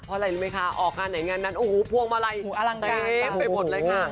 เพราะอะไรรู้ไหมคะออกงานไหนงานนั้นโอ้โหพวงมาลัยเต็มไปหมดเลยค่ะ